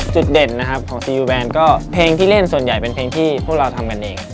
จุดเด่นนะครับของซียูแบนก็เพลงที่เล่นส่วนใหญ่เป็นเพลงที่พวกเราทำกันเอง